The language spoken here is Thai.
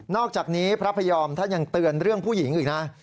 อกจากนี้พระพยอมท่านยังเตือนเรื่องผู้หญิงอีกนะ